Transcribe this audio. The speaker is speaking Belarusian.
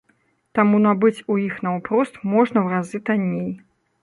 Таму набыць у іх наўпрост можна ў разы танней.